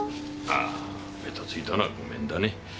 ああべたついたのは御免だね。